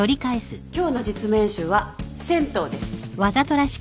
今日の実務演習は銭湯です。